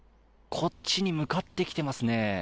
こっちに向かってきていますね。